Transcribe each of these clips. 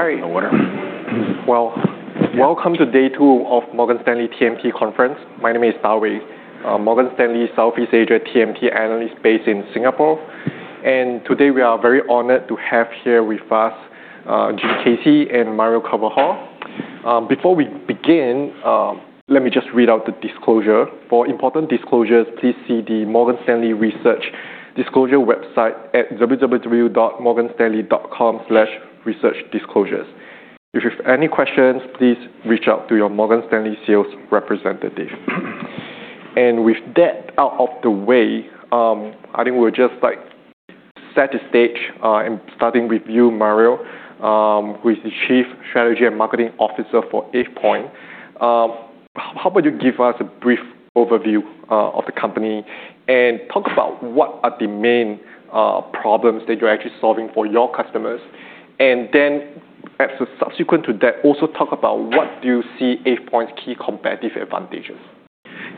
All right. Well, welcome to day two of Morgan Stanley TMT Conference. My name is Da Wei. Morgan Stanley, Southeast Asia TMT analyst based in Singapore. Today we are very honored to have here with us Jim Caci and Mario Carvajal. Before we begin, let me just read out the disclosure. For important disclosures, please see the Morgan Stanley research disclosure website at www.morganstanley.com/researchdisclosures. If you have any questions, please reach out to your Morgan Stanley sales representative. With that out of the way, I think we'll just like set the stage, starting with you, Mario, who is the Chief Strategy and Marketing Officer for AvePoint. How about you give us a brief overview of the company and talk about what are the main problems that you're actually solving for your customers. Then as subsequent to that, also talk about what do you see AvePoint's key competitive advantages?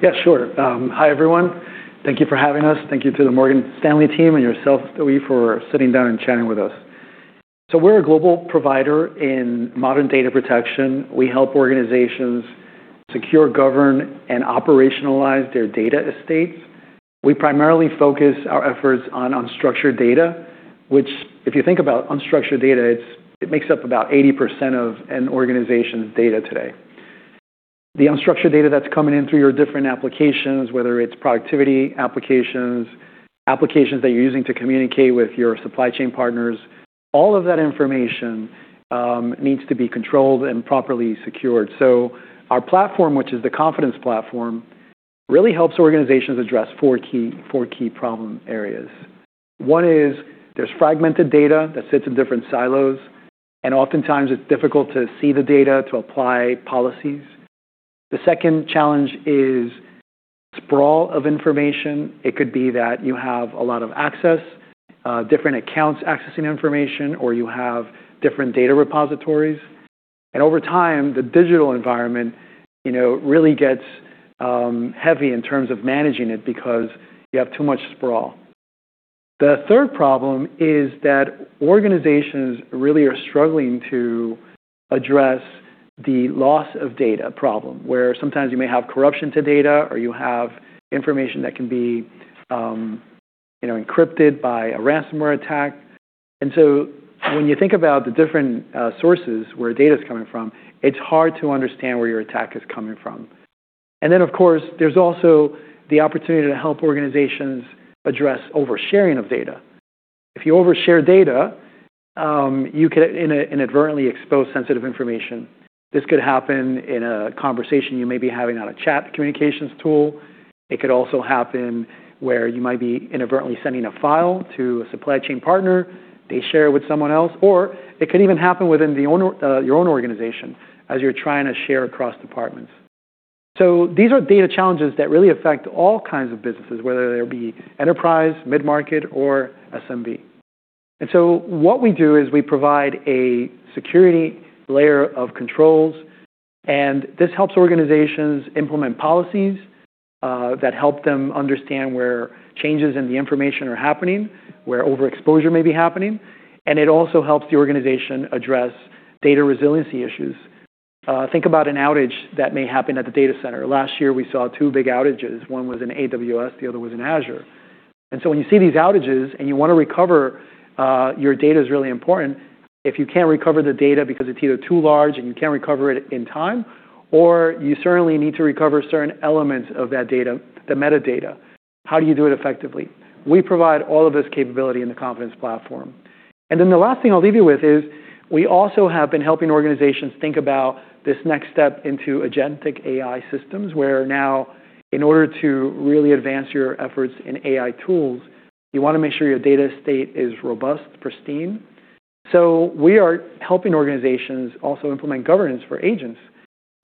Yeah, sure. Hi, everyone. Thank you for having us. Thank you to the Morgan Stanley team and yourself, Da Wei, for sitting down and chatting with us. We're a global provider in modern data protection. We help organizations secure, govern, and operationalize their data estates. We primarily focus our efforts on unstructured data, which if you think about unstructured data, it makes up about 80% of an organization's data today. The unstructured data that's coming in through your different applications, whether it's productivity applications that you're using to communicate with your supply chain partners, all of that information needs to be controlled and properly secured. Our platform, which is the Confidence Platform, really helps organizations address four key problem areas. One is there's fragmented data that sits in different silos, and oftentimes it's difficult to see the data to apply policies. The second challenge is sprawl of information. It could be that you have a lot of access, different accounts accessing information, or you have different data repositories. Over time, the digital environment, you know, really gets heavy in terms of managing it because you have too much sprawl. The third problem is that organizations really are struggling to address the loss of data problem, where sometimes you may have corruption to data or you have information that can be, you know, encrypted by a ransomware attack. When you think about the different sources where data is coming from, it's hard to understand where your attack is coming from. Of course, there's also the opportunity to help organizations address over-sharing of data. If you over-share data, you can inadvertently expose sensitive information. This could happen in a conversation you may be having on a chat communications tool. It could also happen where you might be inadvertently sending a file to a supply chain partner, they share it with someone else, or it could even happen within your own organization as you're trying to share across departments. These are data challenges that really affect all kinds of businesses, whether they be enterprise, mid-market or SMB. What we do is we provide a security layer of controls, and this helps organizations implement policies that help them understand where changes in the information are happening, where overexposure may be happening, and it also helps the organization address data resiliency issues. Think about an outage that may happen at the data center. Last year, we saw two big outages. One was in AWS, the other was in Azure. When you see these outages and you wanna recover, your data is really important. If you can't recover the data because it's either too large and you can't recover it in time, or you certainly need to recover certain elements of that data, the metadata, how do you do it effectively? We provide all of this capability in the Confidence Platform. The last thing I'll leave you with is we also have been helping organizations think about this next step into agentic AI systems, where now in order to really advance your efforts in AI tools, you wanna make sure your data state is robust, pristine. We are helping organizations also implement governance for agents.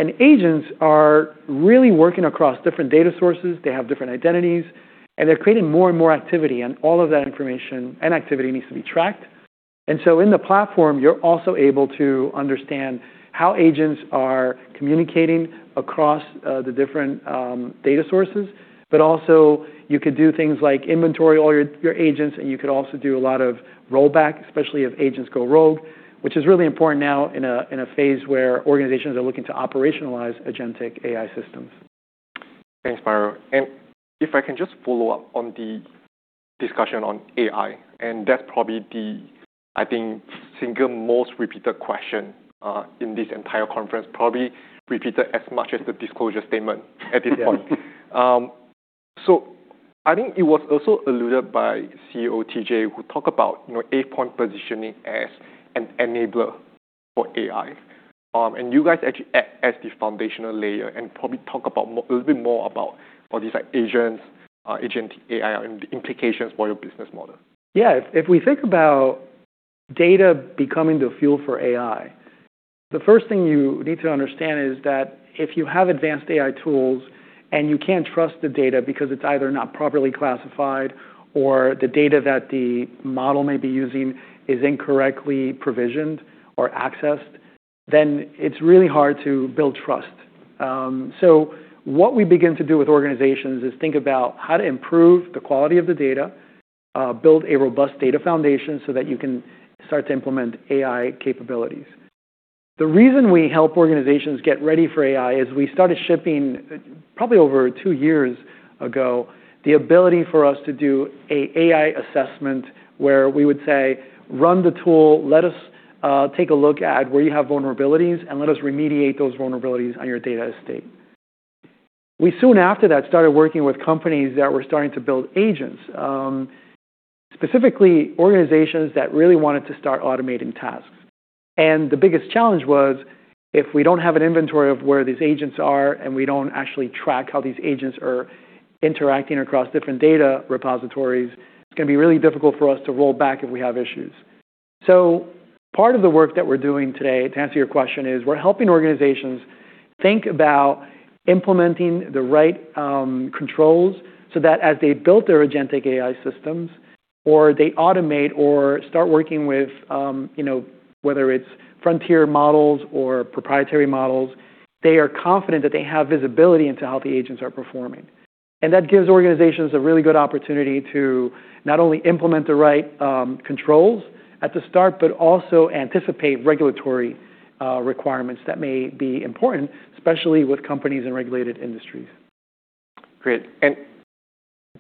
Agents are really working across different data sources. They have different identities, and they're creating more and more activity, and all of that information and activity needs to be tracked. In the platform, you're also able to understand how agents are communicating across the different data sources. Also you could do things like inventory all your agents, and you could also do a lot of rollback, especially if agents go rogue, which is really important now in a phase where organizations are looking to operationalize agentic AI systems. Thanks, Mario. If I can just follow up on the discussion on AI, that's probably the, I think, single most repeated question in this entire conference, probably repeated as much as the disclosure statement at this point. Yeah. I think it was also alluded by CEO, TJ, who talk about, you know, AvePoint positioning as an enabler for AI. You guys actually act as the foundational layer and probably talk about a little bit more about what these are agents, agent AI and implications for your business model. Yeah. If we think about data becoming the fuel for AI, the first thing you need to understand is that if you have advanced AI tools and you can't trust the data because it's either not properly classified or the data that the model may be using is incorrectly provisioned or accessed, then it's really hard to build trust. What we begin to do with organizations is think about how to improve the quality of the data. Build a robust data foundation so that you can start to implement AI capabilities. The reason we help organizations get ready for AI is we started shipping, probably over two years ago, the ability for us to do a AI assessment where we would say, "Run the tool, let us take a look at where you have vulnerabilities, and let us remediate those vulnerabilities on your data estate." We soon after that started working with companies that were starting to build agents, specifically organizations that really wanted to start automating tasks. The biggest challenge was, if we don't have an inventory of where these agents are, and we don't actually track how these agents are interacting across different data repositories, it's gonna be really difficult for us to roll back if we have issues. Part of the work that we're doing today, to answer your question, is we're helping organizations think about implementing the right controls so that as they build their agentic AI systems or they automate or start working with, you know, whether it's frontier models or proprietary models, they are confident that they have visibility into how the agents are performing. That gives organizations a really good opportunity to not only implement the right controls at the start, but also anticipate regulatory requirements that may be important, especially with companies in regulated industries. Great.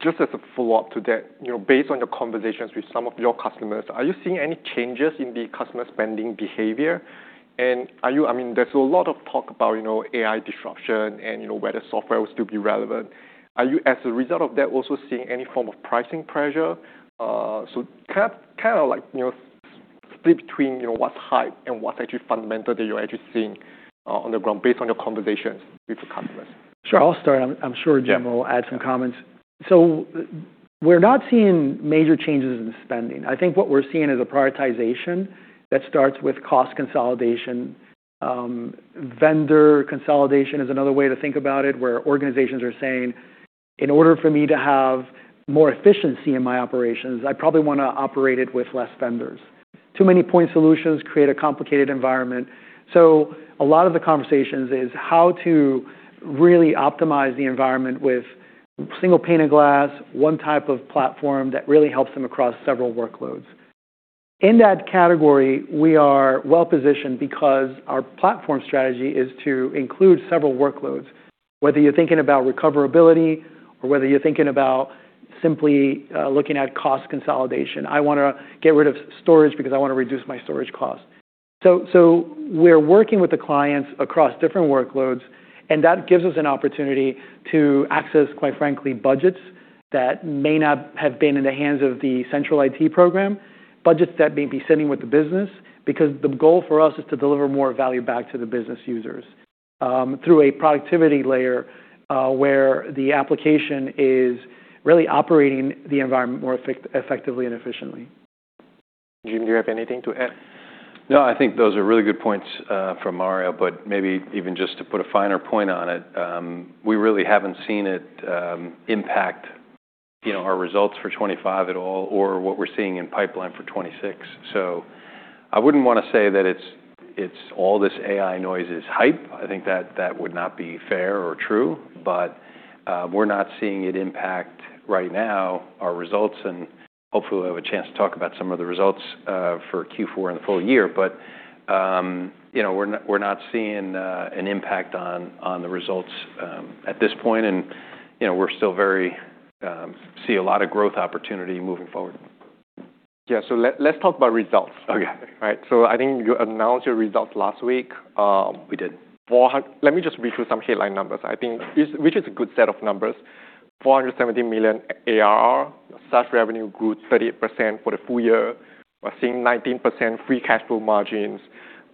Just as a follow-up to that, you know, based on your conversations with some of your customers, are you seeing any changes in the customer spending behavior? Are you, I mean, there's a lot of talk about, you know, AI disruption and, you know, whether software will still be relevant. Are you, as a result of that, also seeing any form of pricing pressure? Kind of like, you know, split between, you know, what's hype and what's actually fundamental that you're actually seeing on the ground based on your conversations with the customers. Sure. I'm sure Jim will add some comments. We're not seeing major changes in spending. I think what we're seeing is a prioritization that starts with cost consolidation. Vendor consolidation is another way to think about it, where organizations are saying, "In order for me to have more efficiency in my operations, I probably wanna operate it with less vendors." Too many point solutions create a complicated environment. A lot of the conversations is how to really optimize the environment with single pane of glass, one type of platform that really helps them across several workloads. In that category, we are well-positioned because our platform strategy is to include several workloads, whether you're thinking about recoverability or whether you're thinking about simply looking at cost consolidation. I wanna get rid of storage because I wanna reduce my storage cost. We're working with the clients across different workloads, and that gives us an opportunity to access, quite frankly, budgets that may not have been in the hands of the central IT program, budgets that may be sitting with the business, because the goal for us is to deliver more value back to the business users, through a productivity layer, where the application is really operating the environment more effectively and efficiently. Jim, do you have anything to add? No, I think those are really good points from Mario, but maybe even just to put a finer point on it, we really haven't seen it impact, you know, our results for 2025 at all or what we're seeing in pipeline for 2026. I wouldn't wanna say that it's all this AI noise is hype. I think that would not be fair or true. We're not seeing it impact right now our results, and hopefully we'll have a chance to talk about some of the results for Q4 and the full-year. You know, we're not seeing an impact on the results at this point. You know, we're still see a lot of growth opportunity moving forward. Yeah. Let's talk about results. Okay. Right? I think you announced your results last week. We did. Let me just read through some headline numbers, I think, which is a good set of numbers. $470 million ARR. SaaS revenue grew 38% for the full-year. We're seeing 19% free cash flow margins.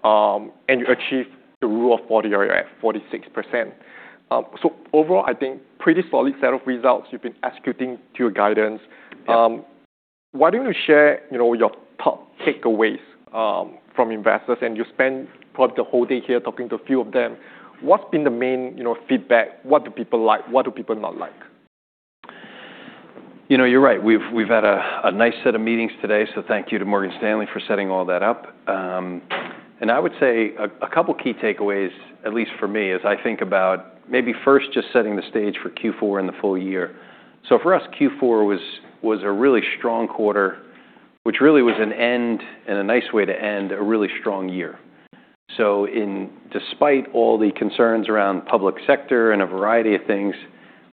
You achieved the Rule of 40 or you're at 46%. Overall, I think pretty solid set of results. You've been executing to your guidance. Why don't you share, you know, your top takeaways from investors? You spent probably the whole day here talking to a few of them. What's been the main, you know, feedback? What do people like? What do people not like? You know, you're right. We've had a nice set of meetings today, thank you to Morgan Stanley for setting all that up. I would say a couple key takeaways, at least for me, as I think about maybe first just setting the stage for Q4 and the full-year. For us, Q4 was a really strong quarter, which really was an end and a nice way to end a really strong year. Despite all the concerns around public sector and a variety of things,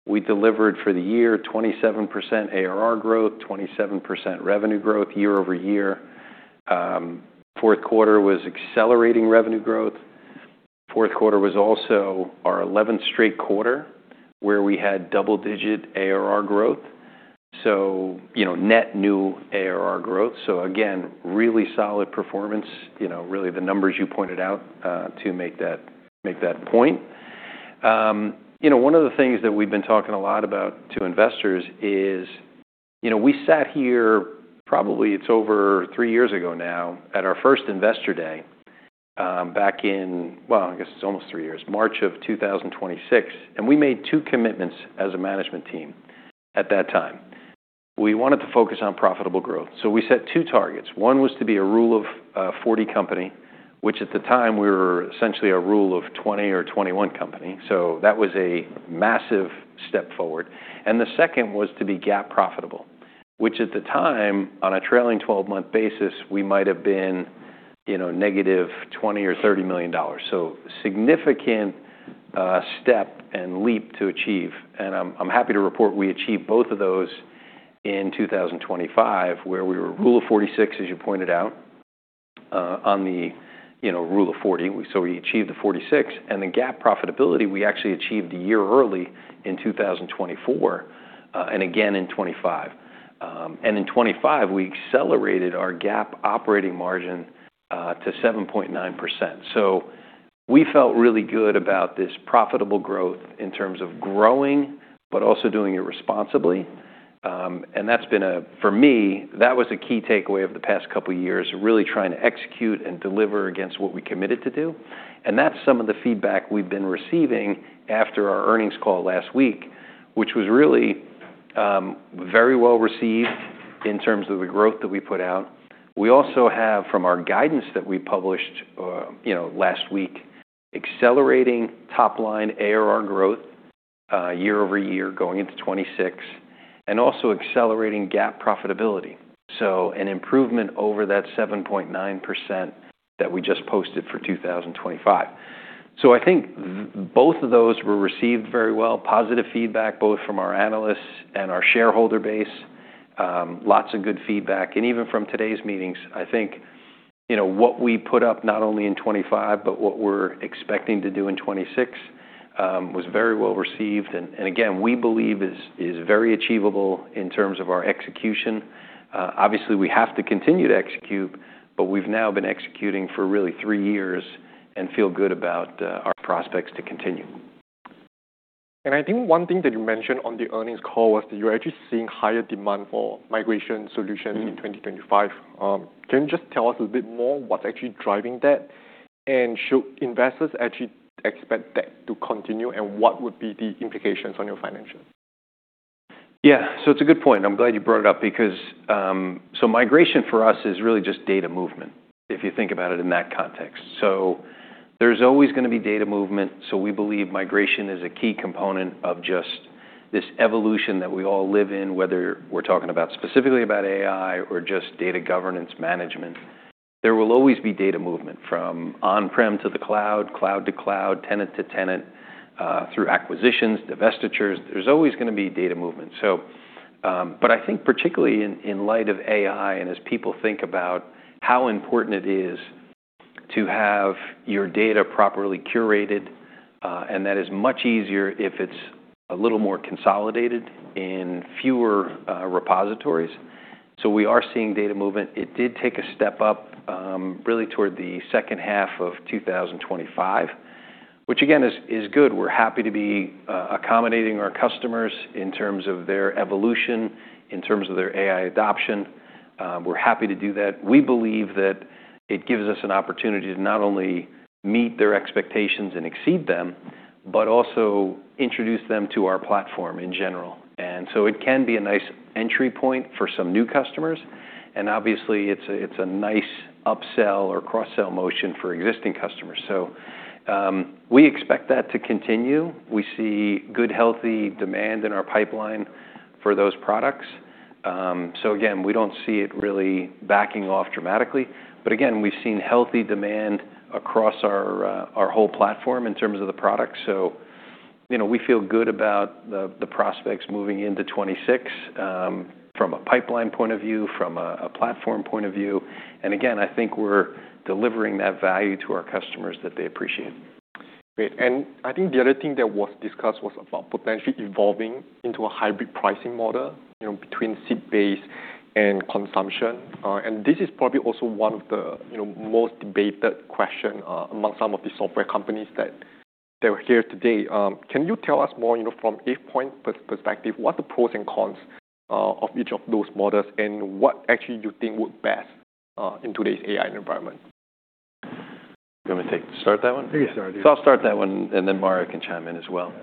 we delivered for the year 27% ARR growth, 27% revenue growth year-over-year. Fourth quarter was accelerating revenue growth. Fourth quarter was also our 11th straight quarter where we had double-digit ARR growth. You know, net new ARR growth. Again, really solid performance. You know, really the numbers you pointed out, to make that point. You know, one of the things that we've been talking a lot about to investors is, you know, we sat here probably it's over three years ago now at our first Investor Day, back in, well, I guess it's almost three years, March 2026. We made two commitments as a management team at that time. We wanted to focus on profitable growth, so we set two targets. One was to be a Rule of 40 company. Which at the time we were essentially a Rule of 20 or 21 company. That was a massive step forward. The second was to be GAAP profitable, which at the time, on a trailing 12-month basis, we might have been, you know, negative $20 million or $30 million. Significant step and leap to achieve. I'm happy to report we achieved both of those in 2025, where we were Rule of 46, as you pointed out, on the, you know, Rule of 40. We achieved the 46. The GAAP profitability, we actually achieved a year early in 2024, and again in 2025. In 2025 we accelerated our GAAP operating margin to 7.9%. We felt really good about this profitable growth in terms of growing, but also doing it responsibly. That's been for me, that was a key takeaway of the past couple of years, really trying to execute and deliver against what we committed to do. That's some of the feedback we've been receiving after our earnings call last week, which was really, very well received in terms of the growth that we put out. We also have, from our guidance that we published, you know, last week, accelerating top-line ARR growth year-over-year going into 2026, and also accelerating GAAP profitability, so an improvement over that 7.9% that we just posted for 2025. I think both of those were received very well, positive feedback both from our analysts and our shareholder base. Lots of good feedback. Even from today's meetings, I think, you know, what we put up not only in 2025 but what we're expecting to do in 2026, was very well received and again, we believe is very achievable in terms of our execution. Obviously we have to continue to execute, but we've now been executing for really three years and feel good about our prospects to continue. I think one thing that you mentioned on the earnings call was that you're actually seeing higher demand for migration solutions. Mm-hmm. -in 2025. can you just tell us a bit more what's actually driving that? should investors actually expect that to continue, and what would be the implications on your financials? Yeah. It's a good point, and I'm glad you brought it up because migration for us is really just data movement, if you think about it in that context. There's always gonna be data movement. We believe migration is a key component of just this evolution that we all live in, whether we're talking about specifically about AI or just data governance management. There will always be data movement from on-prem to the cloud to cloud, tenant to tenant, through acquisitions, divestitures. There's always gonna be data movement. I think particularly in light of AI and as people think about how important it is to have your data properly curated, and that is much easier if it's a little more consolidated in fewer repositories. We are seeing data movement. It did take a step up, really toward the second half of 2025, which again, is good. We're happy to be accommodating our customers in terms of their evolution, in terms of their AI adoption. We're happy to do that. We believe that it gives us an opportunity to not only meet their expectations and exceed them, but also introduce them to our platform in general. It can be a nice entry point for some new customers. Obviously, it's a nice upsell or cross-sell motion for existing customers. We expect that to continue. We see good, healthy demand in our pipeline for those products. Again, we don't see it really backing off dramatically. Again, we've seen healthy demand across our whole platform in terms of the products. You know, we feel good about the prospects moving into 2026, from a pipeline point of view, from a platform point of view. again, I think we're delivering that value to our customers that they appreciate. Great. I think the other thing that was discussed was about potentially evolving into a hybrid pricing model, you know, between seat-based and consumption. This is probably also one of the, you know, most debated question among some of the software companies that they're here today. Can you tell us more, you know, from an AvePoint perspective, what the pros and cons of each of those models and what actually you think work best in today's AI environment? You want me to start that one? Yeah, you can start it. I'll start that one, and then Mario can chime in as well.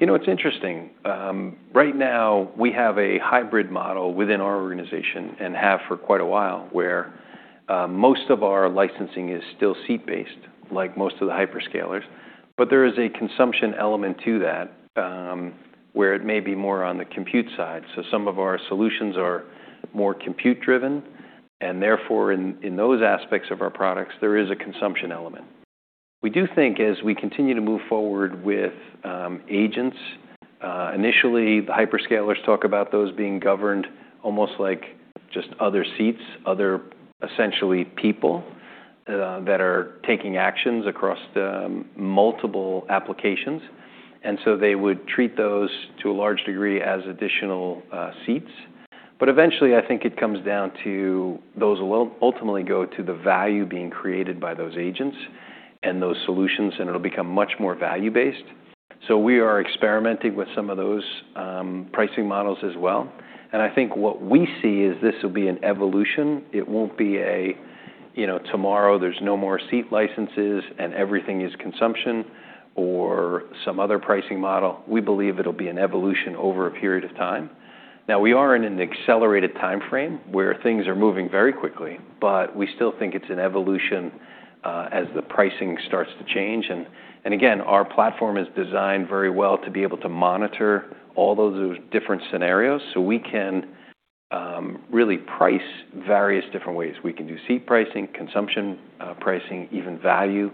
You know, it's interesting. Right now we have a hybrid model within our organization and have for quite a while, where most of our licensing is still seat-based, like most of the hyperscalers. There is a consumption element to that, where it may be more on the compute side. Some of our solutions are more compute driven, and therefore in those aspects of our products, there is a consumption element. We do think as we continue to move forward with agents, initially the hyperscalers talk about those being governed almost like just other seats, other essentially people, that are taking actions across the multiple applications. They would treat those to a large degree as additional seats. Eventually I think it comes down to those will ultimately go to the value being created by those agents and those solutions, and it'll become much more value-based. We are experimenting with some of those pricing models as well. I think what we see is this will be an evolution. It won't be a, you know, tomorrow there's no more seat licenses and everything is consumption or some other pricing model. We believe it'll be an evolution over a period of time. Now we are in an accelerated timeframe where things are moving very quickly, but we still think it's an evolution as the pricing starts to change. Again, our platform is designed very well to be able to monitor all those different scenarios. We can really price various different ways. We can do seat pricing, consumption, pricing, even value.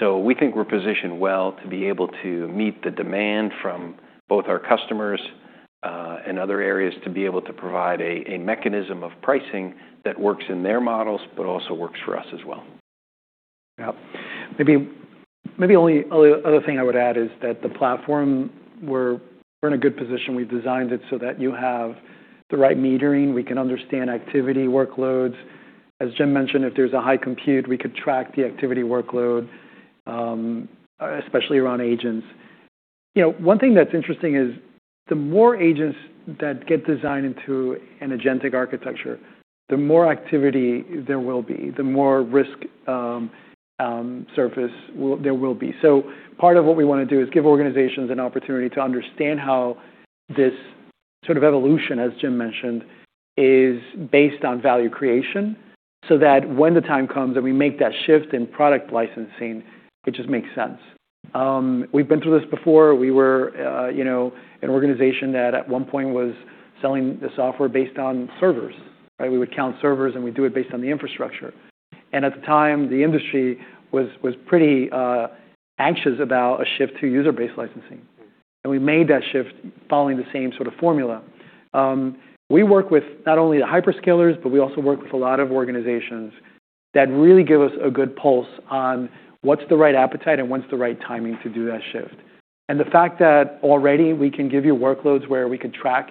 We think we're positioned well to be able to meet the demand from both our customers, and other areas to be able to provide a mechanism of pricing that works in their models, but also works for us as well. Yeah. Maybe only other thing I would add is that the platform we're in a good position. We've designed it so that you have the right metering. We can understand activity workloads. As Jim mentioned, if there's a high compute, we could track the activity workload, especially around agents. You know, one thing that's interesting is the more agents that get designed into an agentic architecture, the more activity there will be, the more risk surface there will be. Part of what we wanna do is give organizations an opportunity to understand how this sort of evolution, as Jim mentioned, is based on value creation, so that when the time comes that we make that shift in product licensing, it just makes sense. We've been through this before. We were, you know, an organization that at one point was selling the software based on servers, right? We would count servers, and we'd do it based on the infrastructure. At the time, the industry was pretty anxious about a shift to user-based licensing. We made that shift following the same sort of formula. We work with not only the hyperscalers, but we also work with a lot of organizations that really give us a good pulse on what's the right appetite and what's the right timing to do that shift. The fact that already we can give you workloads where we could track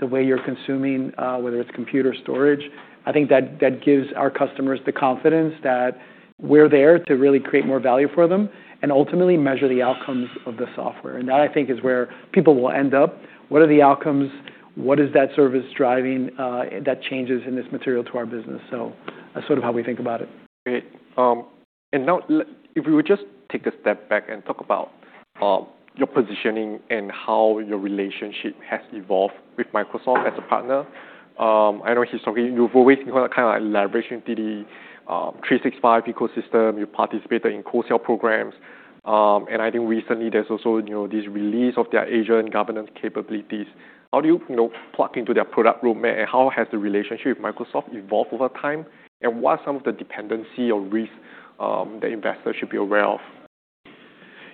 the way you're consuming, whether it's compute or storage, I think that gives our customers the confidence that we're there to really create more value for them and ultimately measure the outcomes of the software. That, I think, is where people will end up. What are the outcomes? What is that service driving that changes in this material to our business? That's sort of how we think about it. Great. Now if we would just take a step back and talk about your positioning and how your relationship has evolved with Microsoft as a partner. I know historically you've always kind of like leveraging the 365 ecosystem. You participated in co-sale programs. I think recently there's also, you know, this release of their agent governance capabilities. How do you know, plug into their product roadmap, and how has the relationship with Microsoft evolved over time? What are some of the dependency or risk that investors should be aware of?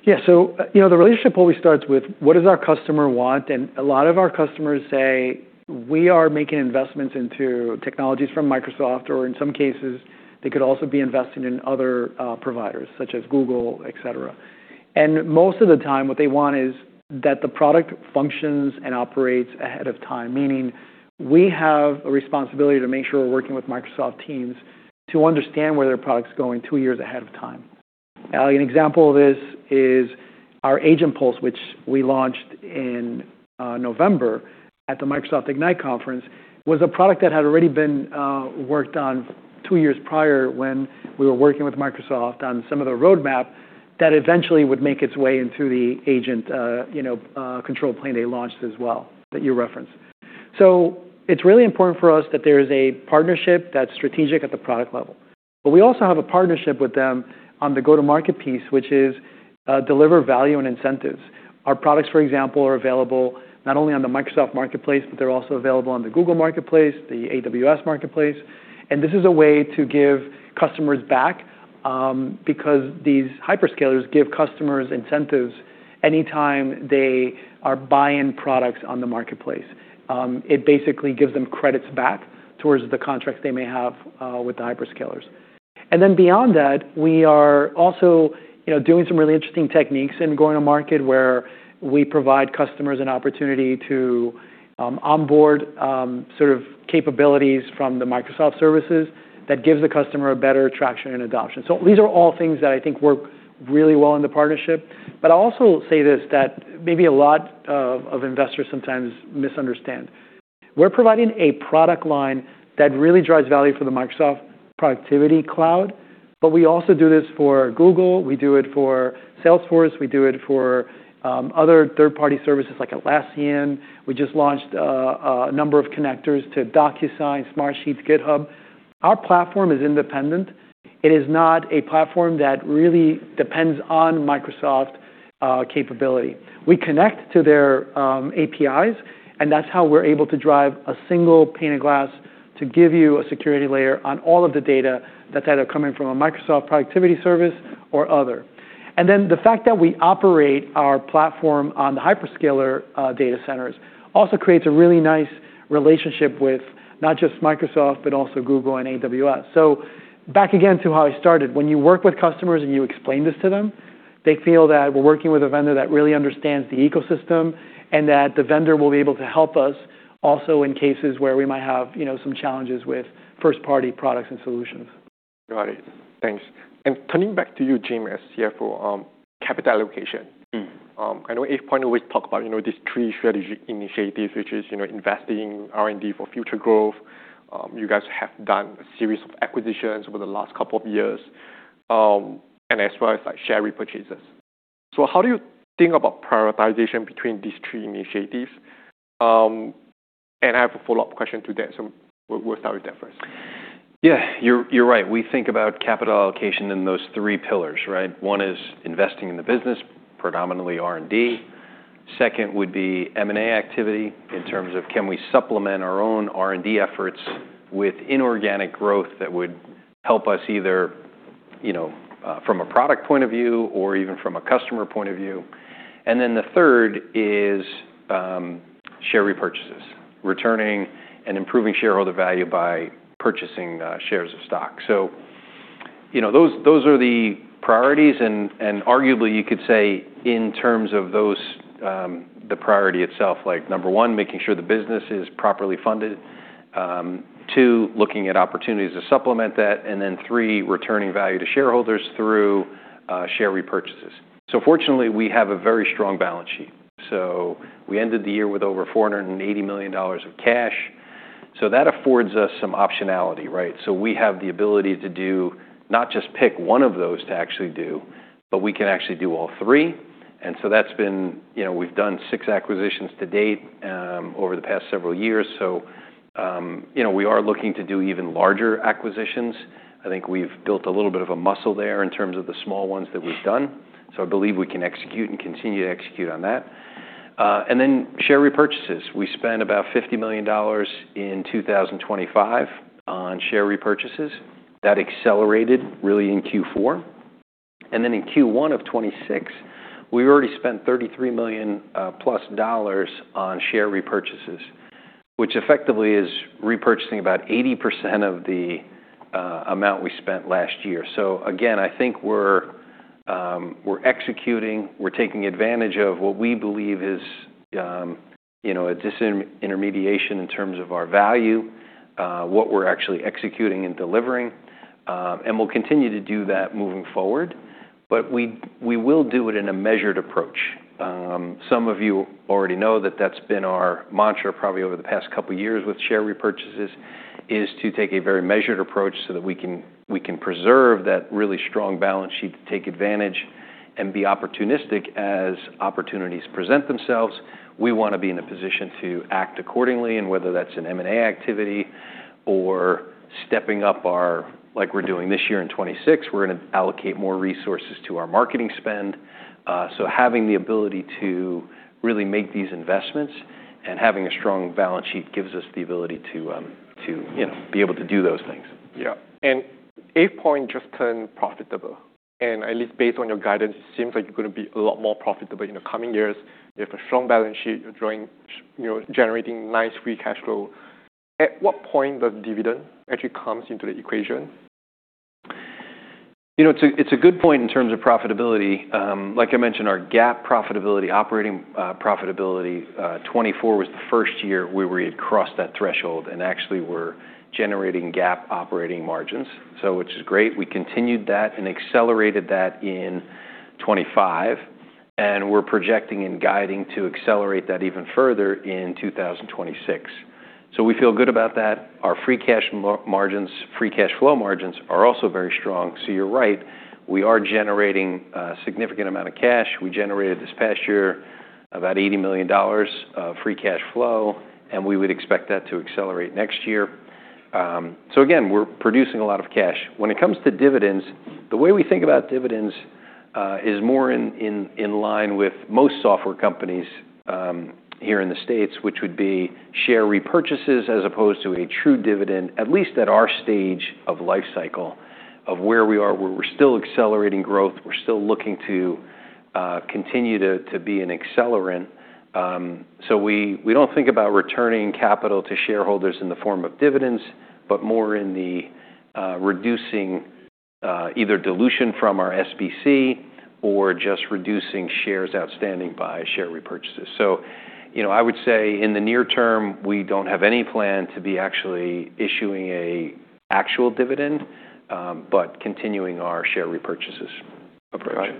Yeah. you know, the relationship always starts with what does our customer want? A lot of our customers say, we are making investments into technologies from Microsoft, or in some cases, they could also be investing in other providers such as Google, et cetera. Most of the time, what they want is that the product functions and operates ahead of time, meaning we have a responsibility to make sure we're working with Microsoft Teams to understand where their product's going two years ahead of time. An example of this is our AgentPulse, which we launched in November at the Microsoft Ignite conference, was a product that had already been worked on two years prior when we were working with Microsoft on some of the roadmap that eventually would make its way into the agent, you know, control plane they launched as well that you referenced. It's really important for us that there is a partnership that's strategic at the product level. We also have a partnership with them on the go-to-market piece, which is, deliver value and incentives. Our products, for example, are available not only on the Microsoft Marketplace, but they're also available on the Google Cloud Marketplace, the AWS Marketplace. This is a way to give customers back, because these hyperscalers give customers incentives anytime they are buying products on the marketplace. It basically gives them credits back towards the contracts they may have with the hyperscalers. Beyond that, we are also, you know, doing some really interesting techniques in go-to-market, where we provide customers an opportunity to onboard sort of capabilities from the Microsoft services that gives the customer a better traction and adoption. These are all things that I think work really well in the partnership. I'll also say this, that maybe a lot of investors sometimes misunderstand. We're providing a product line that really drives value for the Microsoft productivity cloud, but we also do this for Google, we do it for Salesforce, we do it for other third-party services like Atlassian. We just launched a number of connectors to Docusign, Smartsheet, GitHub. Our platform is independent. It is not a platform that really depends on Microsoft capability. We connect to their APIs, and that's how we're able to drive a single pane of glass to give you a security layer on all of the data that's either coming from a Microsoft productivity service or other. The fact that we operate our platform on the hyperscaler data centers also creates a really nice relationship with not just Microsoft, but also Google and AWS. Back again to how I started. When you work with customers and you explain this to them, they feel that we're working with a vendor that really understands the ecosystem and that the vendor will be able to help us also in cases where we might have, you know, some challenges with first-party products and solutions. Got it. Thanks. Turning back to you, Jim, as CFO, capital allocation. Mm. I know AvePoint always talk about, you know, these three strategic initiatives, which is, you know, investing R&D for future growth. You guys have done a series of acquisitions over the last couple of years, and as well as, like, share repurchases. How do you think about prioritization between these three initiatives? I have a follow-up question to that, we'll start with that first. Yeah, you're right. We think about capital allocation in those three pillars, right? One is investing in the business, predominantly R&D. Second would be M&A activity in terms of can we supplement our own R&D efforts with inorganic growth that would help us either, you know, from a product point of view or even from a customer point of view. The third is share repurchases, returning and improving shareholder value by purchasing shares of stock. You know, those are the priorities and arguably you could say in terms of those, the priority itself, like number one, making sure the business is properly funded. Two, looking at opportunities to supplement that. Three, returning value to shareholders through share repurchases. Fortunately, we have a very strong balance sheet. We ended the year with over $480 million of cash. That affords us some optionality, right? We have the ability to do not just pick one of those to actually do, but we can actually do all three. That's been You know, we've done six acquisitions to date over the past several years. You know, we are looking to do even larger acquisitions. I think we've built a little bit of a muscle there in terms of the small ones that we've done. I believe we can execute and continue to execute on that. Then share repurchases. We spent about $50 million in 2025 on share repurchases. That accelerated really in Q4. In Q1 of 2026, we already spent $33 million+ on share repurchases, which effectively is repurchasing about 80% of the amount we spent last year. I think we're executing, we're taking advantage of what we believe is, you know, a disintermediation in terms of our value, what we're actually executing and delivering. We'll continue to do that moving forward. We will do it in a measured approach. Some of you already know that that's been our mantra probably over the past couple of years with share repurchases, is to take a very measured approach so that we can preserve that really strong balance sheet to take advantage and be opportunistic as opportunities present themselves. We want to be in a position to act accordingly. Whether that's an M&A activity or stepping up, like we're doing this year in 2026, we're going to allocate more resources to our marketing spend. Having the ability to really make these investments and having a strong balance sheet gives us the ability to, you know, be able to do those things. Yeah. AvePoint just turned profitable, and at least based on your guidance, it seems like you're gonna be a lot more profitable in the coming years. You have a strong balance sheet. You're you know, generating nice free cash flow. At what point does dividend actually comes into the equation? You know, it's a, it's a good point in terms of profitability. Like I mentioned, our GAAP profitability, operating profitability, 2024 was the first year where we had crossed that threshold, and actually we're generating GAAP operating margins. Which is great. We continued that and accelerated that in 2025, and we're projecting and guiding to accelerate that even further in 2026. We feel good about that. Our free cash flow margins are also very strong. You're right, we are generating a significant amount of cash. We generated this past year about $80 million of free cash flow, and we would expect that to accelerate next year. Again, we're producing a lot of cash. When it comes to dividends, the way we think about dividends, is more in line with most software companies, here in the States, which would be share repurchases as opposed to a true dividend, at least at our stage of lifecycle of where we are, where we're still accelerating growth, we're still looking to continue to be an accelerant. We don't think about returning capital to shareholders in the form of dividends, but more in the reducing either dilution from our SBC or just reducing shares outstanding by share repurchases. You know, I would say in the near term, we don't have any plan to be actually issuing a actual dividend, but continuing our share repurchases approach. Right.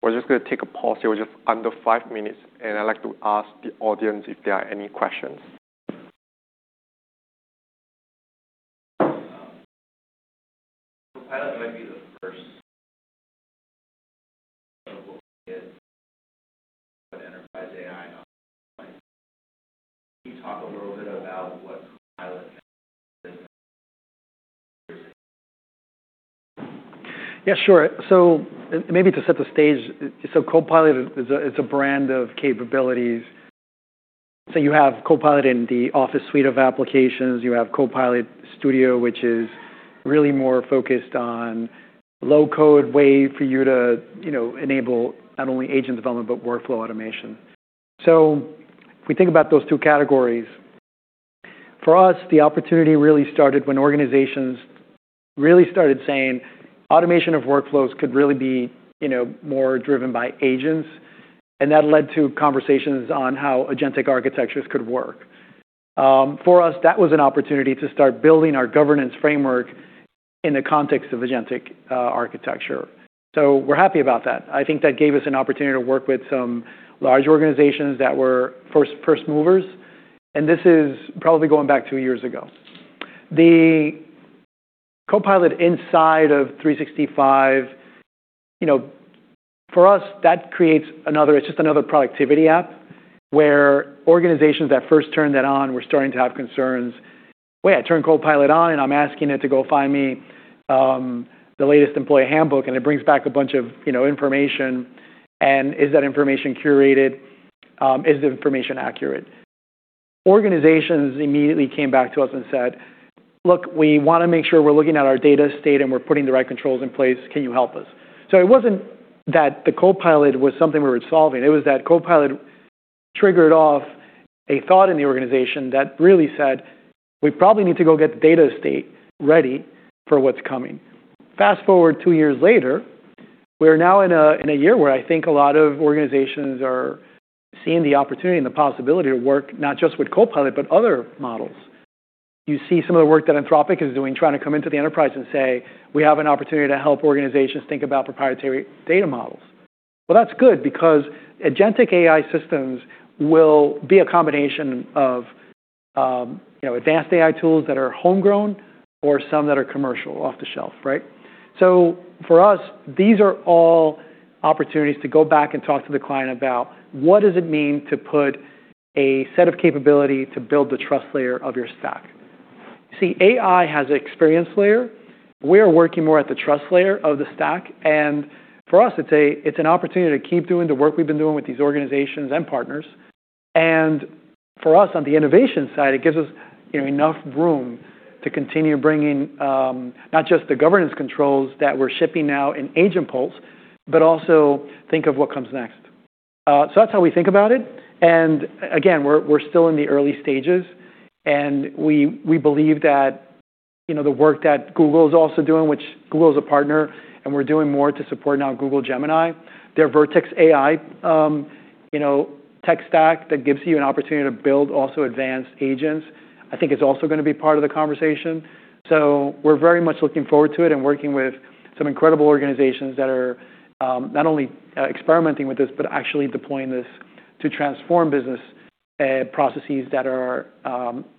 We're just gonna take a pause here. We're just under five minutes. I'd like to ask the audience if there are any questions. Copilot might be the first of what we get with enterprise AI. Can you talk a little bit about what Copilot? Sure. Maybe to set the stage, Copilot is a brand of capabilities. You have Copilot in the Office suite of applications. You have Copilot Studio, which is really more focused on low-code way for you to, you know, enable not only agent development, but workflow automation. If we think about those two categories, for us, the opportunity really started when organizations really started saying automation of workflows could really be, you know, more driven by agents, and that led to conversations on how agentic architectures could work. For us, that was an opportunity to start building our governance framework in the context of agentic architecture. We're happy about that. I think that gave us an opportunity to work with some large organizations that were first movers, and this is probably going back two years ago. Copilot inside of 365, you know, for us, that creates another it's just another productivity app where organizations that first turned that on were starting to have concerns. "Wait, I turned Copilot on, and I'm asking it to go find me, the latest employee handbook, and it brings back a bunch of, you know, information. Is that information curated? Is the information accurate?" Organizations immediately came back to us and said, "Look, we wanna make sure we're looking at our data state, and we're putting the right controls in place. Can you help us?" It wasn't that the Copilot was something we were solving. It was that Copilot triggered off a thought in the organization that really said, "We probably need to go get the data state ready for what's coming." Fast-forward two years later, we're now in a year where I think a lot of organizations are seeing the opportunity and the possibility to work not just with Copilot, but other models. You see some of the work that Anthropic is doing, trying to come into the enterprise and say, "We have an opportunity to help organizations think about proprietary data models." Well, that's good because agentic AI systems will be a combination of, you know, advanced AI tools that are homegrown or some that are commercial off the shelf, right? For us, these are all opportunities to go back and talk to the client about what does it mean to put a set of capability to build the trust layer of your stack. See, AI has an experience layer. We're working more at the trust layer of the stack. For us, it's a, it's an opportunity to keep doing the work we've been doing with these organizations and partners. For us, on the innovation side, it gives us, you know, enough room to continue bringing, not just the governance controls that we're shipping now in AgentPulse, but also think of what comes next. That's how we think about it. Again, we're still in the early stages, and we believe that, you know, the work that Google is also doing, which Google is a partner, and we're doing more to support now Google Gemini. Their Vertex AI, you know, tech stack that gives you an opportunity to build also advanced agents, I think is also gonna be part of the conversation. We're very much looking forward to it and working with some incredible organizations that are not only experimenting with this, but actually deploying this to transform business processes that are,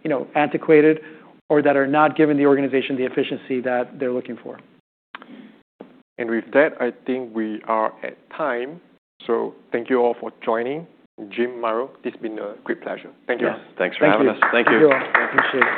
you know, antiquated or that are not giving the organization the efficiency that they're looking for. With that, I think we are at time. Thank you all for joining. Jim, Mario, it's been a great pleasure. Thank you. Yeah. Thanks for having us. Thank you. Thank you. Thank you all. I appreciate it.